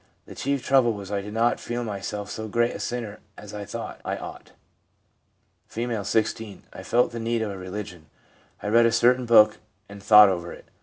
'The chief trouble was I did not feel myself so great a sinner as I thought I ought.' R, 16. ' I felt the need of a religion. I read a certain book and thought over it.